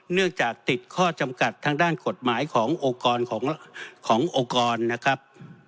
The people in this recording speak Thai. เนื่องจากติดข้อจำกัดทางด้านกฎหมายของโอกรณ์นะครับ